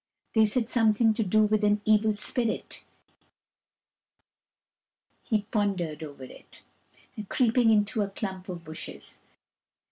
They said something to do with an evil spirit — he pondered over it, creeping into a clump of bushes.